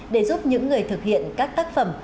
để giúp những người thực hiện các tác phẩm